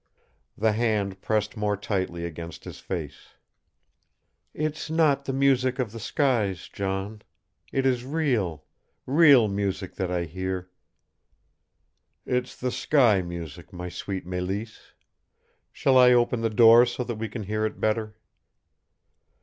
The hand pressed more tightly against his face. "It's not the music in the skies, John. It is real REAL music that I hear " "It's the sky music, my sweet Mélisse! Shall I open the door so that we can hear it better?"